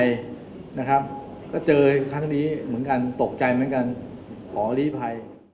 นะครับก็เจอครั้งนี้เหมือนกันตกใจเหมือนกันขอลีภัย